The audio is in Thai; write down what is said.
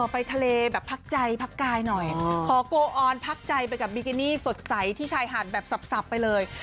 ไปทะเลแบบพักใจพักกายหน่อยขอโกออนพักใจไปกับบิกินี่สดใสที่ชายหาดแบบสับไปเลย